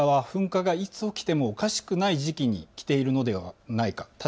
専門家は噴火がいつ起きてもおかしくない時期に来ているのではないか。